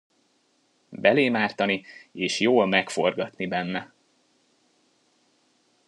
Belémártani és jól megforgatni benne!